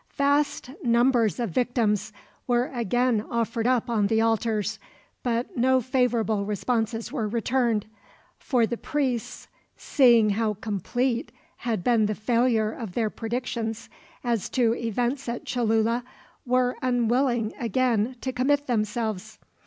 Vast numbers of victims were again offered up on the altars, but no favorable responses were returned for the priests, seeing how complete had been the failure of their predictions as to events at Cholula, were unwilling again to commit themselves.